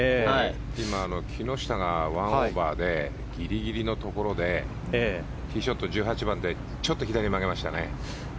今、木下が１オーバーでギリギリのところでティーショット、１８番でちょっと左に曲げましたね。